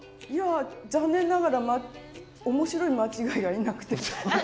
いや残念ながら面白い間違いがいなくて。